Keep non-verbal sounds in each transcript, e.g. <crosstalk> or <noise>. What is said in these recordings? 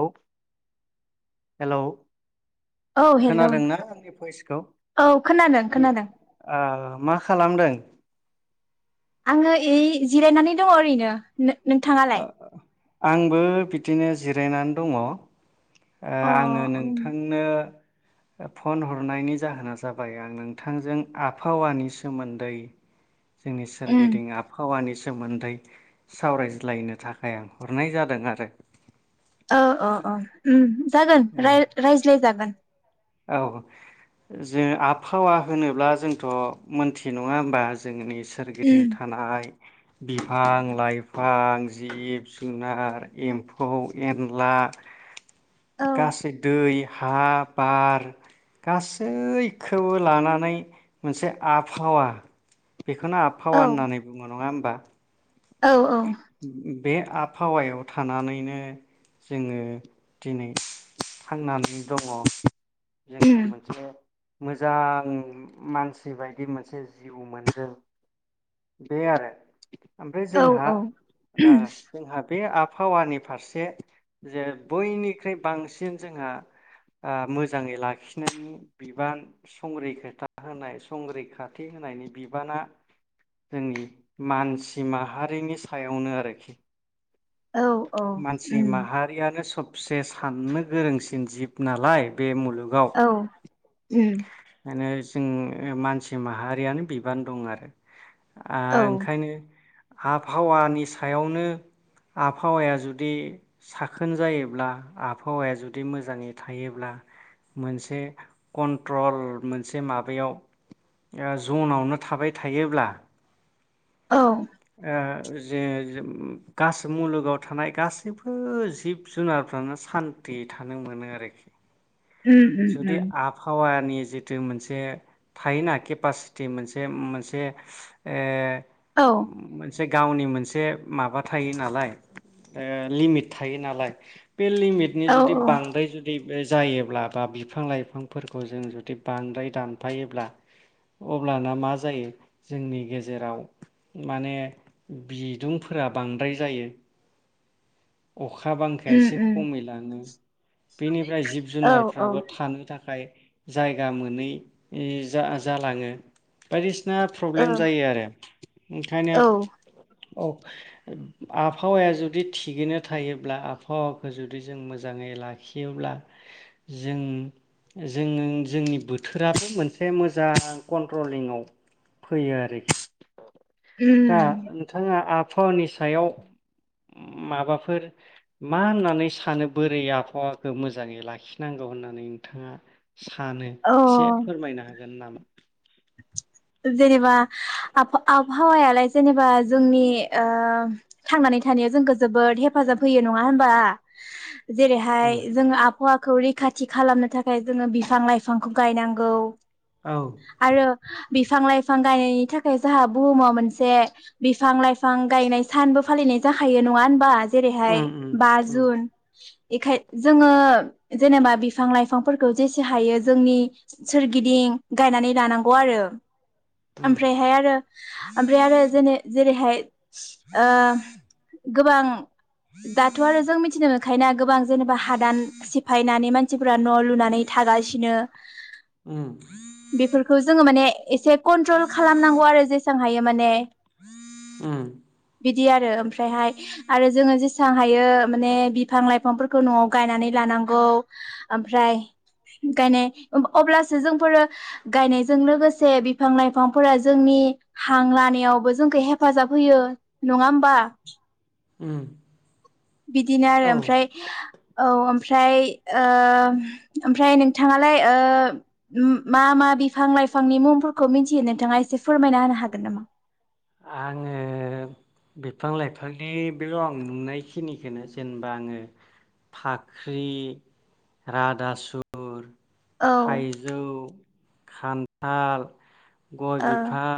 औ हेलौ औ हेलौ खोनादोंना आंनि भयसखौ औ खोनादों खोनादों मा खालामदों आंङो इ जिरायनानै दंङ ओरैनो ओ नोंथांङालाय आंबो बिदिनो जिरायनानै दंङ ओ अ आंङो उम नोंथांनो फन हरनायनि जाहोना जाबाय आं नोंथांजों आबहावानि सोमोन्दै जोंनि उम सोरगिदिं आबहावानि सोमोन्दै सावराय लायनो थाखाय आं हरनाय जादों आरो। ओ अ अ अम जागोन राय-रायज्लाय जागोन। औ जों आबहावा होनोब्ला जोंथ मोनथि नंङा होनबा जोंनि सोरगिदिं उम थानाय बिफां लाइफां जिब जुनार एम्फौ एनला औ गासै दै हा बार गासैखौबो लानानै मोनसे आबहावा बेखौनो आबहावा होननानै बुंङो नंङा होम बा औ औ बे आ बहावायाव थानानैनो जोंङो दिनै थांनानै दंङ उम जोंङो मोनसे मोजां मानसि बायदि मोनसे जिउ मोनदों बे आरो ओमफ्राय औ जोंहा ओ जोंहा बे आबहावानि फारसे जे बयनिख्रुइ बांसिन जोंहा मोजाङै लाखिनायनि बिबान संरैखाथा होनाय संरैखाथि होनायनि बिबाना जोंनि मानसि माहारिनि सायावनो आरोखि। औ औ अम से साननो गोरोंसिन जिब नालाय बे मुलुग औ अम माने जों मानसि माहारियानो बिबान दं आरो। औ आं ओंखायनो आबहावानि सायावनो आबहावाया जुदि साखोन जायोब्ला आबहावाया जुदि मोजाङै थायोब्ला मोनसे कन्ट्रल मोनसे माबायाव जनावनो थाबाय थायोब्ला औ ओ जे गास मुलुगाव थानाय गासैबो जिब जुनारफ्रानो सान्थि थानो मोनो आरोखि। उम उम जुदि उम आबहावा नि जिथु मोनसे थायोना केपासिटि मोनसे मोनसे ओ औ से गावनि मोनसे माबा थायो नालाय ओ लिमिट थायो नालाय बे लिमिटनि औ जुदि बांद्राय जु दि जायोब्ला बा बिफां लाइफांफोरखौ जों जुदि बांद्राय दानफायोब्ला अब्लाना मा जायो? जोंनि गेजेराव माने बिदुंफोरा बांद्राय जायो। अखा बांखाया उम एसे उम खमै लाङो बेनिफ्राय जिब औ जुनारफ्राबो थानो थाखाय जायगा मोनै जा-जालाङो बायदिसि ना औ फ्रब्लेम जायो आरो ओंखायनो औ अ आबहावाया जुदि थिगैनो थायोब्ला आबहावाखौ जुदि जों मोजाङै लाखियोब्ला जों जों जोंनि बोथोराबो मोनसे मोजां कन्ट्रलिंआव फैयो आरोखि। दा उम नोंथाङा आब हावानि सायाव माबा फोर मा होननानै सानो बोरै आबहावाखौ मोजाङै लाखिनांगौ होननानै नोंथाङा सानो एसे अ फोरमायना हो। गोन नामा? <inaudible> जेनेबा आब- आबहावायालाय जेनेबा जोंनि ओ थांनानै थानाया जोंखो जोबोद हेफाजाब होयो नङा होनबा जेरैहाय उम जोङो आबहावा खौ रैखाथि खालामनो थाखाय जोङो बिफां लाइफांखौ गायनांगौ। औ आरो बिफां लाइफां गायनायनि थाखाय जोंहा बुहुमाव मोनसे बिफां लाइफां गायनाय सानबो फालिनाय जाखायो नङा होनबा जेरैहाय उम बा उम जुन बेखाय जोङो जेनेबा बिफां लाइफांफोरखौ जेसे हायो जोंनि सोरगिदिं गायनानै लानां गौ आरो उम ओमफ्रायहाय आरो ओमफ्राय आरो जेने जेरैहाय <inaudible> ओ गोबां दाथ' आरो जों मिथिनो मोनखाय ना गोबां जेनेबा हादान सिफायनानै मानसि न' लुनानै थागासिनो उम उम बेफोर माने एसे कनट्रल खालामनांगौ आरो जेसां हायो माने उम बिदि आरो ओमफ्रायहाय आरो जोङो जेसे जेसां हायो माने बिफां लाइफांफोरखौ न'आव गायनानै लानांगौ ओमफ्राय गायनाय अब्लासो जोंफोरो गायनायजों लोगोसे बिफां लाइफांफोरा जोंनि हां लानायावबो जोंखौ हेफाजाब होयो नङा होमबा? उम। बिदिनो आरो औ ओमफ्राय औ ओमफ्राय ओ ओमफ्राय नोंथाङालाय ओ मा मा बिफां लाइफांनि मुंफोरखौ मिथियो नोंथाङा एसे फोरमायना होनो हागोन नामा? आङो बिफां लाइफांनि बेल' आं नुनायखिनिखौनो जेनेबा आङो फाख्रि रादासुर औ थाइजौ खान्थाल गय ओ बिफां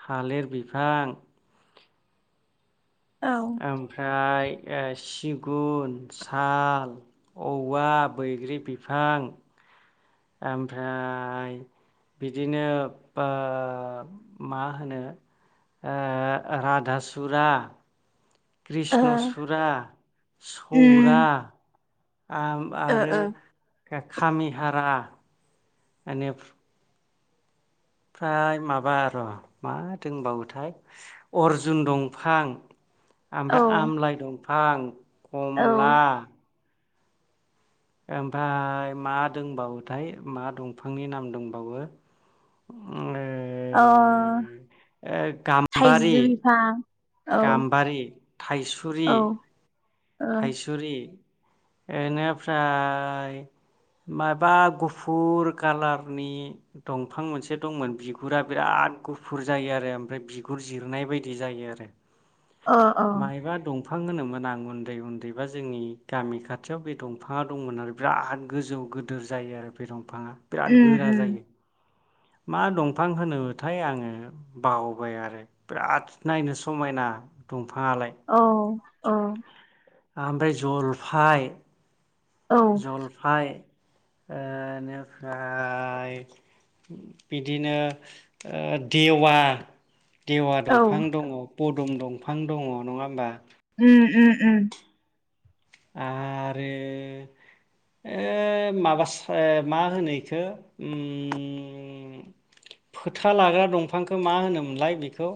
थालिर बिफां ओ ओमफ्राय सिगुन साल औवा बैग्रि बिफां ओमफ्राय बिदिनो मा होनो राधासुरा कृष्णसुरा सौरा उम आ ओ आरो ओ खामिहारा इनिफ्राय ओमफ्राय माबा र' मा दंबावोथाय अर्जुन दंफां ओमफ्राय औ आमलाइ दं बां खमला औ ओमफ्राय मा दंबावोथाय मा दंफांनि नाम दंबावो अ ओ गाम्बारि थाइजौ बिफां औ गाम्बारि औ थाइसुरि ओ अ थाइसुरि बेनिफ्राय माबा गुफुर कालारनि दंफां मोनसे दंमोन बिगुरा बिराद गुफुर जायो आरो ओमफ्राय बिगुर जिरनाय बायदि जायो आरो अ अ। फां होनोमोन आंबो <unintelligible> उन्दै उन्दैबा जोंनि गामि खाथियाव बे दंफाङा दंमोन आरो बिराद गोजौ गोदोर जायो आरो बे दं फाङा बिराद उम गोरा उम जायो। मा दंफां होनोथाय आङो बावबाय आरो बिराद नायनो समायना दं औ औ ओमफ्राय जलफाइ औ जलफाय ओनिफ्राय बिदिनो ओ देवा देवा औ दंफां दङ <unintelligible> दुम दंफां दङ नङा होमबा? उम उम उम आरो ओ माबासो मा होनो एखौ ओम फोथा लाग्रा दंफांखौ मा होनोमोनलाय बेखौ?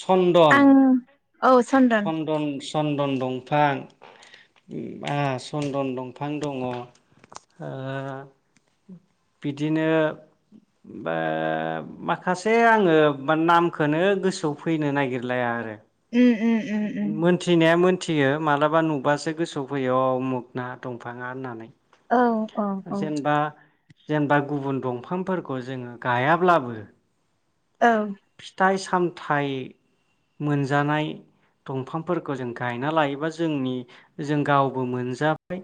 चन्दन आं औ चन्दन चन्दन दंफां आ चन्दन दंफां दङ ओ बिदिनो बा माखासे आङो नामखौनो गोसोआव फैनो नागिरलाया आरो उम उम उम उम मोनथिनाया मोन थियो मालाबा नुबासो गोसोआव फैयो अमुख ना दंफाङा होननानै औ औ औ जेनेबा जेनेबा गुबुन दंफांफोरखौ जोङो गायाब्लाबो औ फिथाइ सा सामथाइ मोनजानाय दंफांफोरखौ जों गायना लायोबा जोंनि जों गावबो मोनजाबाय।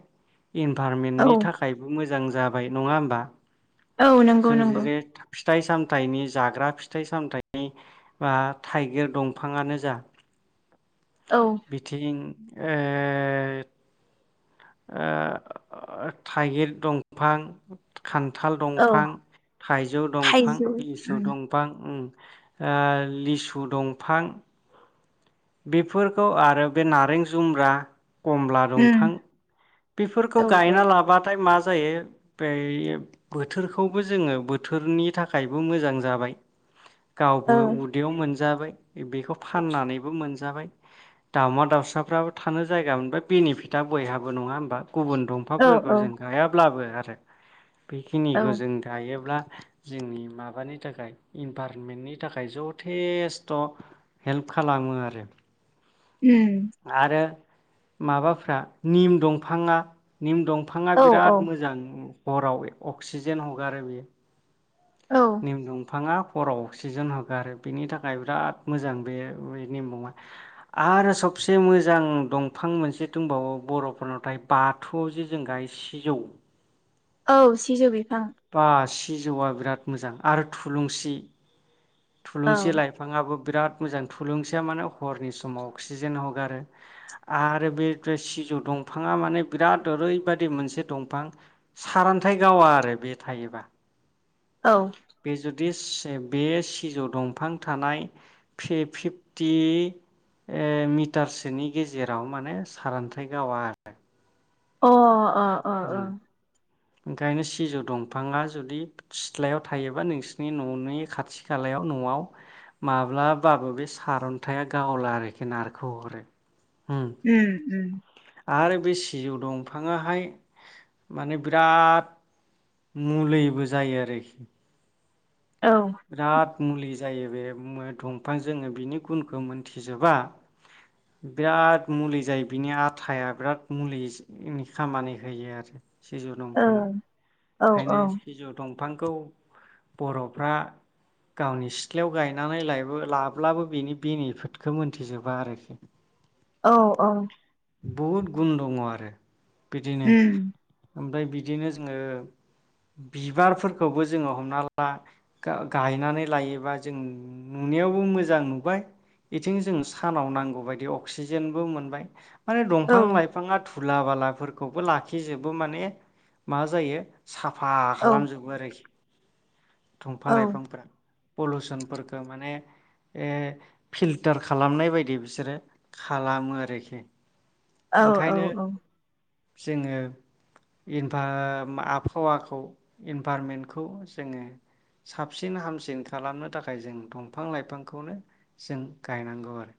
इनभारमेन्टनि औ थाखायबो मोज जां जाबाय नङा होमबा? औ नंगौ जों नंगौ जे फिथाइ सामथाइनि जाग्रा फिथाइ सामथाइ नि बा थाइगिर दंफाङानो जा औ बिथिं ओ ओ थाइगिर दंफां खान्थाल औ दंफां थाइजौ दंफां थाइजौ इसौ उम दंफां उम ओ लिसु दंफां बेफोरखौ आरो बे नारें जुमब्रा कमला दंफां उम बेफोरखौ औ औ गायना लाबाथाय मा जायो बै बोथोरखौबो जोङो बोथोरनि थाखायबो मोजां जाबाय। गावबो उदैयाव मोनजाबाय बेखौ फाननानैबो मोनजाबाय, दावउमा दाउसाफ्राबो थानो जायगा मोनबाय बेनिफिटा बयहाबो नङा होमबा, गुबुन ओ औ दंफांफोरखौ जों औ गायाब्लाबो आरो औ बेखिनिखौ जों दायोब्ला, जोंनि माबानि थाखाय इनभारमेन्टनि थाखाय जथेस्थ' हेल्प खालामो आरो उम आरो माबाफ्रा निम दंफाङा निम दं फाङा औ औ बिराद मोजां, हराव अक्सिजेन हगारो बियो, औ निम दंफाङा, हराव अक्सिजेन होगो आरो बिनि थाखाय बिराद मोजां बे नेमबआ आरो सबसे मोजां दंफां मोनसे दंबावो बर'फोरनाव थायो बाथौआव जों गायो सिजौ, औ सिजौ बिफां बा सिजौआ बिराद मोजां आरो थुलुंसि, औ थुलुंसि लाइफाङाबो बिराद मोजां थुलुंसिया माने हरनि समाव अक्सिजेन हगारो आरो बे सिजौ दंफाङा माने बिराद ओरैबादि मोनसे दंफां सारन्थाइ गावा आरो बे थायोबा, औ दिस सेब बे सिजौ दंफां थानाय फिफटि मिटारसोनि गेजेराव माने सारन्थाइ गावा आरो अ अ अ अ उम ओंखायनो सिजौ दंफाङा जुदि सिथ्लायाव थायोबा नोंसोरनि न'नि खाथि खालायाव न'आव माब्लाबाबो बे सारन्थाया गावला आरोखि नारखोहरो उम उम आरो बे सिजौ दंफां हाय माने बिराद मुलिबो जायो औ ओ बिराद मुलि जायो बे मोद दंफां जोङो बिनि गुनखौ मोनथिजोबा बिराद मुलि जायो बिनि आटाया बिराद मुलिस मुलिनि खामानि होयो आरो सिजौ दंफांआ औ ओंखायनो सिजौ दं दंफांखौ बर'फ्रा गावनि सिथ्लायाव गायनानै लायो लाब्लाबो बेनि बेनिफिटखौ मोन्थिजोबा आरोखि औ औ बुहुद गुन दङ आरो बिदिनो उम ओमफाय बिदिनो जोङो बिबारफोरखौबो जोङो हमना ला गा गायनानै लायोबा जों नुनायावबो मोजां नुबाय बेथिं जों सानाव नांगौबायायदि अक्सिजेनबो मोनबाय, माने औ दंफां लाइफाङा थु दुला बालाफोरखौबो लाखिजोबो माने मा जायो। साफा औ खालामजोबो आरोखि दफां औ लाइफांफोरा पलुसनफोरखो माने ए फिल्टार खालामनाय बायदि बिसोरो खालामो आरोखि। औ औ ओंखायनो औ। जोङो इनभा आबहावाखौ इनभारमेन्टखौ जोङो साबसिन हामसिन खालामनो थाखाय जों दंफां लाइफांखौनो जों गायनांगौ आरो।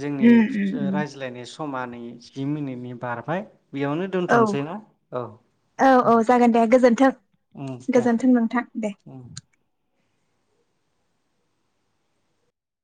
जोंनि उम उम उम रायज्लायनाय सम समा नै जि मिनिटनि बारबाय। बेयावनो औ दोनथ'नोसै ना औ औ औ जागोन दे गोजोन्थों। उम दे गोजोन्थों नोंथां। दे उम।